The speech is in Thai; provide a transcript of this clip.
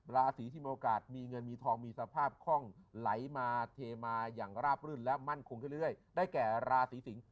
ราศีที่มีโอกาสมีเงินมีทองมีสภาพคล่องไหลมาเทมาอย่างราบรื่นและมั่นคงขึ้นเรื่อยได้แก่ราศีสิง